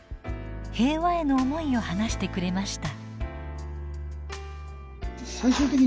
平和への思いを話してくれました。